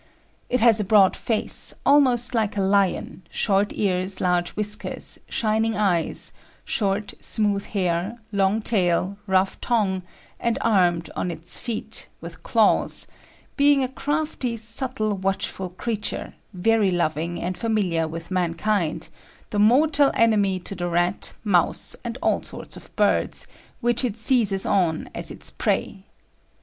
It has a broad Face, almost like a Lyon, short Ears, large Whiskers, shining Eyes, short, smooth Hair, long Tail, rough Tongue, and armed on its Feet, with Claws, being a crafty, subtle, watchful Creature, very loving and familiar with Man kind, the mortal enemy to the Rat, Mouse, and all sorts of Birds, which it seizes on as its prey.